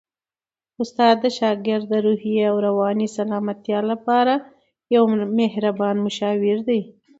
استاد د شاګرد د روحي او رواني سلامتیا لپاره یو مهربان مشاور دی.